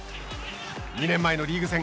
２年前のリーグ戦。